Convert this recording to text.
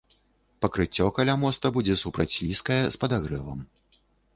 Пакрыццё каля моста будзе супрацьслізкае, з падагрэвам.